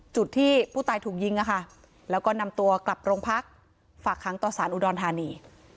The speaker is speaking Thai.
จุดที่ผู้ตายถูกยิงนะคะแล้วก็นำตัวกลับโรงพักฝากค้างต่อสารอุดรธานี